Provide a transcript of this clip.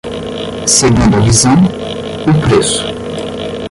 Segundo a visão, o preço.